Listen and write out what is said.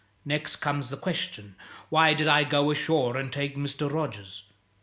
Next comes the question Why did I go ashore and take Mr. Rogers?